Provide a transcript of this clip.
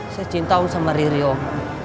saya cinta sama riri om